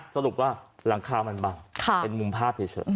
สรุปว่าหลังคามันบังเป็นมุมภาพเฉย